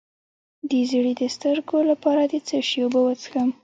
د زیړي د سترګو لپاره د څه شي اوبه وڅښم؟